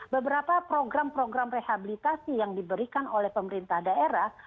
beberapa program program rehabilitasi yang diberikan oleh pemerintah daerah